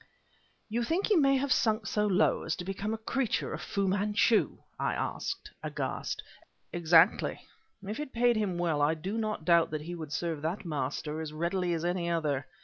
"You think he may have sunk so low as to become a creature of Fu Manchu?" I asked, aghast. "Exactly! If it paid him well I do not doubt that he would serve that master as readily as any other.